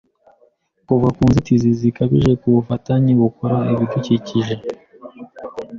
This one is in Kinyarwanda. kuva inzitizi zikabije kubufatanye bukora ibidukikije,